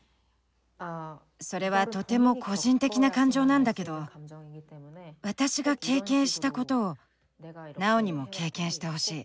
それはとても個人的な感情なんだけど私が経験したことをナオにも経験してほしい。